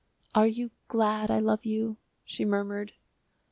"Are you glad I love you?" she murmured.